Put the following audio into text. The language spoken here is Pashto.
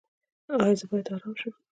ایا زه باید ارام شم؟